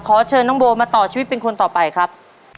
ขอเชิญน้องโบมาต่อชีวิตเป็นคนต่อไปครับ